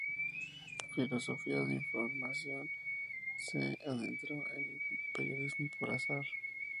Filósofa de formación, se adentró en el periodismo por azar.